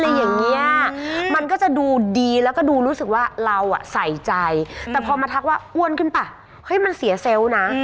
แล้วอย่างนี้มันก็จะดูดีแล้วก็ดูรู้สึกว่าเรามีใจแต่พอมาแตกว่าอ้วนขึ้นเปอมันเสียเซลล์นะ